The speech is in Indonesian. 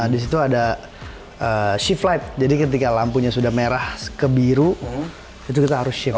di situ ada sea flight jadi ketika lampunya sudah merah kebiru itu kita harus shift